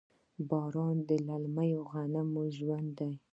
باران د للمي غنمو ژوند دی.